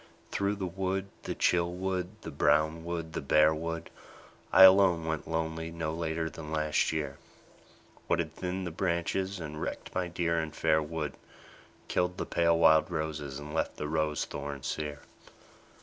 Through the wood, the chill wood, the brown wood, the bare wood, I alone went lonely no later than last year, What had thinned the branches, and wrecked my dear and fair wood, Killed the pale wild roses and left the rose thorns sere